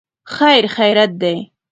خیر خیریت دی.